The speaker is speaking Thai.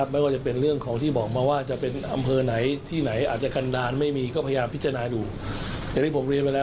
ผมว่าเดี๋ยวมีคณะกรรมการชุดใหญ่มา